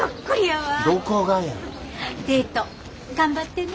デート頑張ってな。